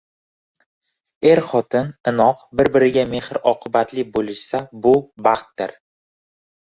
Er-xotin inoq, bir-biriga mehr-oqibatli bo‘lishsa bu baxtdir